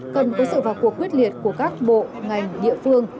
cần có sự vào cuộc quyết liệt của các bộ ngành địa phương